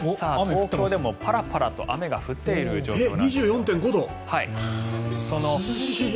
東京でもパラパラと雨が降っている状況なんです。